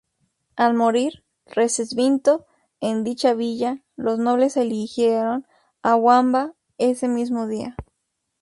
Al morir Recesvinto en dicha villa, los nobles eligieron a Wamba ese mismo día.